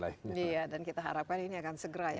iya dan kita harapkan ini akan segera ya